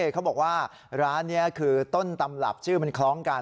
เขาบอกว่าร้านนี้คือต้นตำรับชื่อมันคล้องกัน